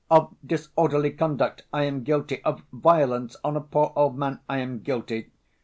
Of disorderly conduct I am guilty, of violence on a poor old man I am guilty.